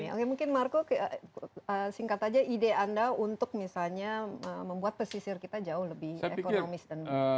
oke mungkin marco singkat saja ide anda untuk misalnya membuat pesisir kita jauh lebih ekonomis